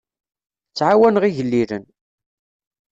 Ttɛawaneɣ igellilen.